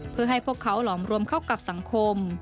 เพื่อให้พวกเขาหลอมรวมเข้ากับสังคม